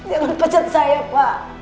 jangan pencet saya pak